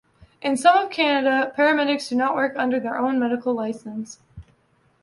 In some of Canada, paramedics do not work under their own medical license.